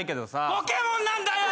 ポケモンなんだよ。